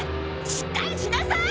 しっかりしなさい！